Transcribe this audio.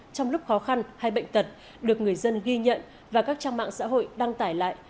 trong lúc khó khăn hay bệnh tật được người dân ghi nhận và các trang mạng xã hội đăng tải lại